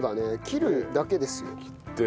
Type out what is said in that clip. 切るだけですよ。切って。